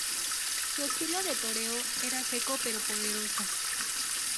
Su estilo de toreo era seco pero poderoso.